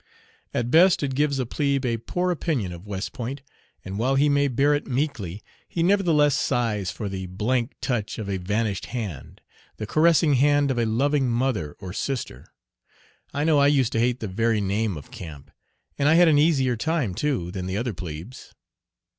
At best it gives a plebe a poor opinion of West Point, and while he may bear it meekly he nevertheless sighs for the " touch of a vanished hand," the caressing hand of a loving mother or sister. I know I used to hate the very name of camp, and I had an easier time, too, than the other plebes.